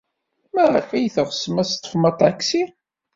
Maɣef ay teɣsem ad teḍḍfem aṭaksi?